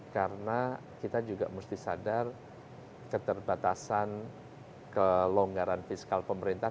karena kita juga mesti sadar keterbatasan kelonggaran fiskal pemerintah